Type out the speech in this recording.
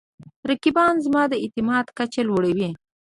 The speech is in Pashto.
رقیب زما د اعتماد کچه لوړوي